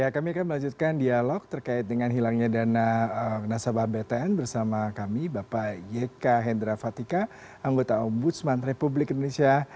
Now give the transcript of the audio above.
kami akan melanjutkan dialog terkait dengan hilangnya dana nasabah btn bersama kami bapak yk hendra fatika anggota ombudsman republik indonesia